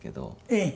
ええ。